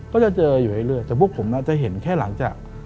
ก็จะเจออยู่เรื่อยแต่พวกผมจะเห็นแค่หลังจาก